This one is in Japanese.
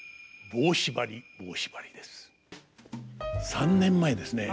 ３年前ですね